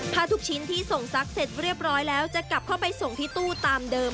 ทุกชิ้นที่ส่งซักเสร็จเรียบร้อยแล้วจะกลับเข้าไปส่งที่ตู้ตามเดิม